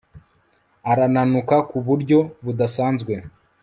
arananuka ku buryo budasanzwe